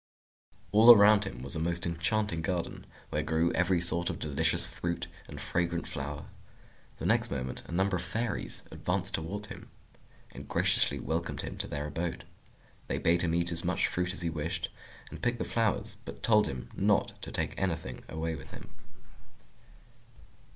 All around him was a most enchanting garden, where grew every sort of delicious fruit and fragrant flower. The next moment a number of Fairies advanced toward him, and graciously welcomed him to their abode. They bade him eat as much fruit as he wished, and pick the flowers, but told him not to take anything away with him.